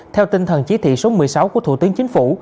theo tinh thần chỉ thị số một mươi sáu của thủ tướng chính phủ